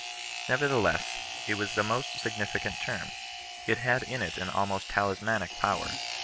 Nevertheless, it was a most significant term. It had in it an almost talismanic power.